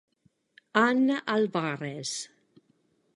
Ana Álvarez